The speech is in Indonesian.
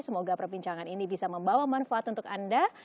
semoga perbincangan ini bisa membawa manfaat untuk anda